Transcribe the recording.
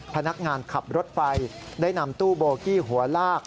พนักงานขับรถไฟได้นำตู้โบกี้หัวลาก